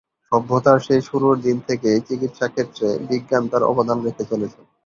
সভ্যতার সেই শুরুর দিন থেকেই চিকিৎসা ক্ষেত্রে বিজ্ঞান তার অবদান রেখে চলেছে।